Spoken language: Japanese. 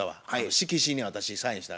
色紙に私サインした。